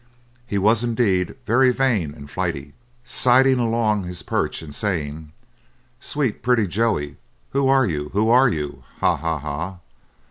He was, indeed, very vain and flighty, sidling along his perch and saying: "Sweet pretty Joey, who are you, who are you? Ha! Ha! Ha!"